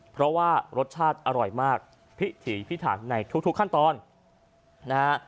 เพราะว่ารสชาติอร่อยมากพิถีพิถันในทุกขั้นตอนนะฮะ